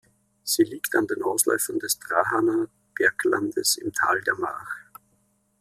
Sie liegt an den Ausläufern des Drahaner Berglandes im Tal der March.